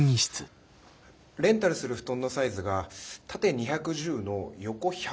レンタルする布団のサイズが縦２１０の横１００